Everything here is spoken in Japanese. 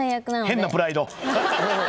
変なプライド。